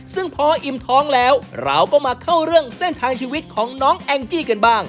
ซึ่งพออิ่มท้องแล้วเราก็มาเข้าเรื่องเส้นทางชีวิตของน้องแองจี้กันบ้าง